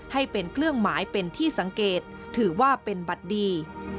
ให้เป็นเครื่องหมายเป็นที่สังเกตถือว่าเป็นบัตรดี